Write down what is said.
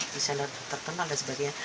desainer terkenal dan sebagainya